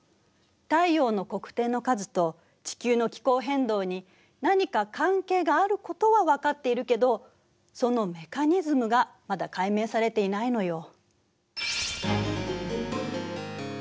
太陽の黒点の数と地球の気候変動に何か関係があることは分かっているけどそのメカニズムがまだ解明されていないのよ。